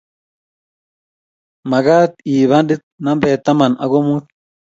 magaat iib badit nambet taman ago muut